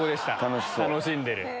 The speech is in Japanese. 楽しんでる。